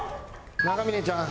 長嶺ちゃん。